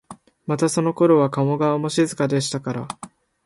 またそのころは加茂川も静かでしたから、